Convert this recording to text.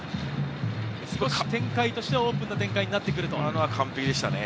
少し展開としてはオープンな展開になってくると。